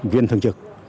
viên thường trực